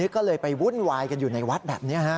ก็เลยไปวุ่นวายกันอยู่ในวัดแบบนี้ฮะ